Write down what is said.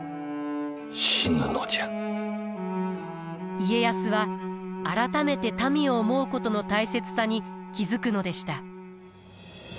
家康は改めて民を思うことの大切さに気付くのでした。